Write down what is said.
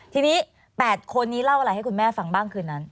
ทีนี้๘คนนี้เล่าอะไรให้คุณแม่ฟังบ้างคืนนั้น